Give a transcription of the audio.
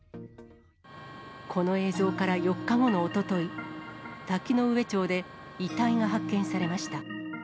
この映像から４日後のおととい、滝上町で遺体が発見されました。